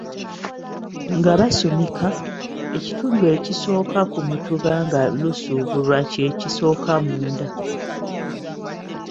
Nga basumika, ekitundu ekisooka ku mutuba nga lusuubulwa kye kisooka munda.